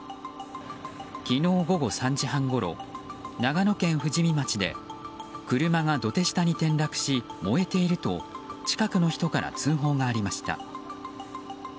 昨日午後３時半ごろ長野県富士見町で車が土手下に転落し燃えていると近くの人から通報がありました。